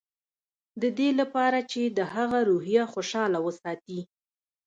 د دې لپاره چې د هغه روحيه خوشحاله وساتي.